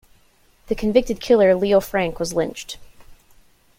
The convicted killer, Leo Frank, was lynched.